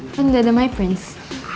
kan tidak ada my prince